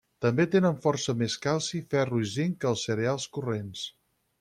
També tenen força més calci, ferro i zinc que els cereals corrents.